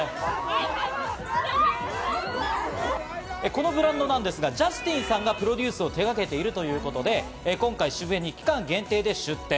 このブランドなんですが、ジャスティンさんがプロデュースを手がけているということで今回、渋谷に期間限定で出店。